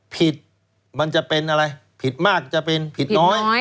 ผิดมันจะเป็นอะไรผิดมากจะเป็นผิดน้อย